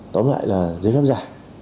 tóm lại là giấy phép giả